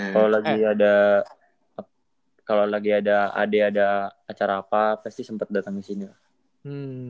kalo lagi ada kalo lagi ada adi ada acara apa pasti sempet datang di sini lah